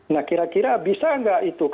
nah kira kira bisa nggak itu